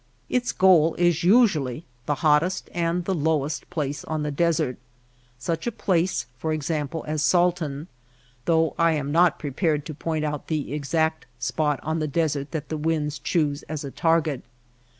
Its goal is usually the hottest and the lowest place on the desert — such a place, for example, as Salton, though I am not prepared to point out the exact spot on the desert that the winds choose as a target.